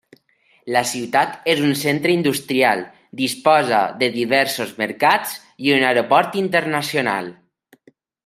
La ciutat és un centre industrial, disposa de diversos mercats i un aeroport internacional.